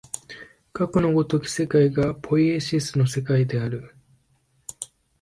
かくの如き世界がポイエシスの世界である。